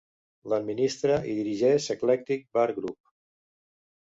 L'administra i dirigeix Eclectic Bar Group.